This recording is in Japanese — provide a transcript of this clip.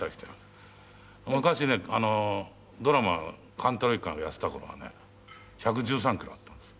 『貫太郎一家』をやってた頃はね１１３キロあったんですよ。